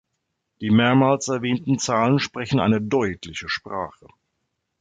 Die mehrmals erwähnten Zahlen sprechen eine deutliche Sprache.